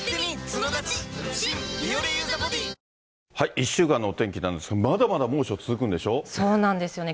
１週間のお天気なんですが、そうなんですよね。